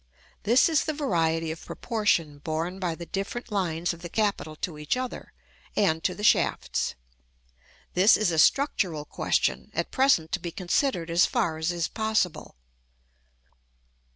This is the variety of proportion borne by the different lines of the capital to each other, and to the shafts. This is a structural question, at present to be considered as far as is possible.